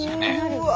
うわ。